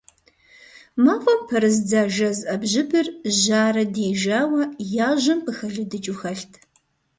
МафӀэм пэрыздза жэз Ӏэбжьыбыр жьарэ диижауэ яжьэм къыхэлыдыкӀыу хэлът.